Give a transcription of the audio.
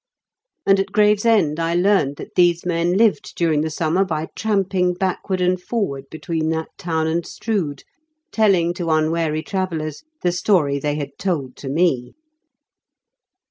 " And at Gravesend I learned that these men lived during the summer by tramping back ward and forward between that town and Strood, telling to unwary travellers the story they had told to me.